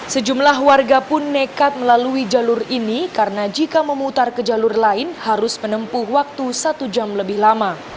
sejumlah warga pun nekat melalui jalur ini karena jika memutar ke jalur lain harus menempuh waktu satu jam lebih lama